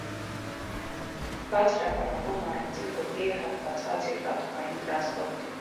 Բաց հրապարակում առանձին գոտի է հատկացված երկաթուղային տրանսպորտին։